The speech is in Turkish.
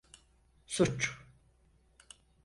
Suç…